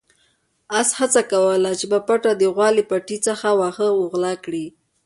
اس هڅه کوله چې په پټه د غوا له پټي څخه واښه وغلا کړي.